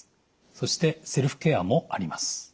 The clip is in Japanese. そしてセルフケアもあります。